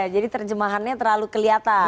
jadi terjemahannya terlalu kelihatan